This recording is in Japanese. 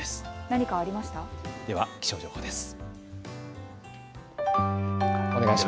では、気象情報です。